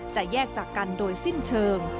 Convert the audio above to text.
จะแยกจากกันโดยสิ้นเชิง